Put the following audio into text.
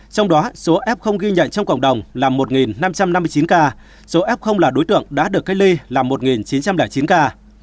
trong đó số f ghi nhận trong cộng đồng là một năm trăm năm mươi chín ca số f là đối tượng đã được cách ly là một chín trăm linh chín ca